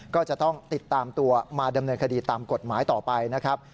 ก็จะต้องติดตามตัวมาดำเนินคดีตามกฎหมายต่อไปนะครับ